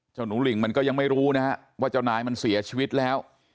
เจ้านุริ่งมันก็ยังไม่รู้นะครับว่าเจ้านายมันเสียชีวิตแล้ว